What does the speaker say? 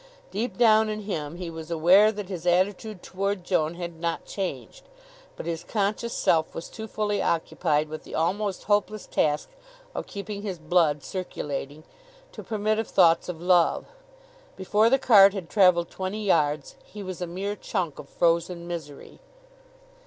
Deep down in him he was aware that his attitude toward Joan had not changed, but his conscious self was too fully occupied with the almost hopeless task of keeping his blood circulating, to permit of thoughts of love. Before the cart had traveled twenty yards he was a mere chunk of frozen misery.